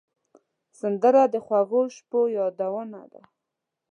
سندره د خوږو شپو یادونه ده